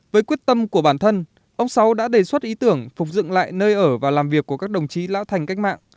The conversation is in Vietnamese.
với quyết tâm của bản thân ông sáu đã đề xuất ý tưởng phục dựng lại nơi ở và làm việc của các đồng chí lão thành cách mạng